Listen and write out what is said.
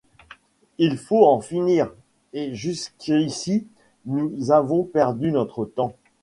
Il faut en finir, et jusqu’ici nous avons perdu notre temps